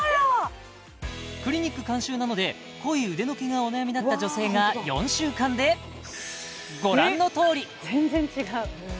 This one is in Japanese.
クリニック監修なので濃い腕の毛がお悩みだった女性が４週間でご覧のとおり！